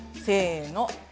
せの。